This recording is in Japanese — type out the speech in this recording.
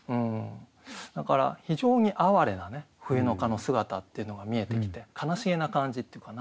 だから非常に哀れな冬の蚊の姿っていうのが見えてきて悲しげな感じっていうかな